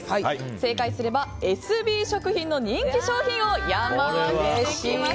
正解すればエスビー食品の人気商品を山分けできます。